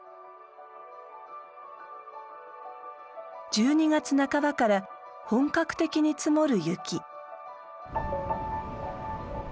１２月半ばから本格的に積もる雪。